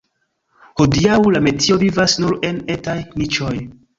Hodiaŭ la metio vivas nur en etaj niĉoj.